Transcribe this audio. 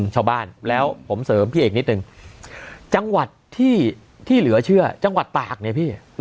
ชาวบ้านแล้วผมเสริมพี่เอกนิดนึงจังหวัดที่เหลือเชื่อจังหวัดตากเนี่ยพี่